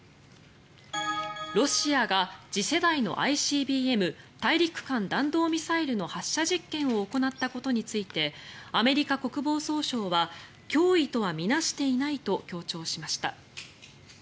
ロシアが次世代のＩＣＢＭ・大陸間弾道ミサイルの発射実験を行ったことについてアメリカ国防総省は脅威とは見なしていないと強調しました。